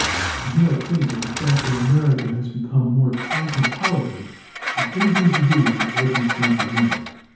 "I do not think that the fact that America has become more cosmopolitan has anything to do with this altered sense of humor.